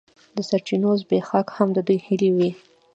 د سرچینو زبېښاک هم د دوی هیلې وې.